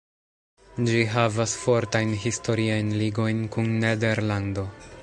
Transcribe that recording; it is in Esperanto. Ĝi havas fortajn historiajn ligojn kun Nederlando.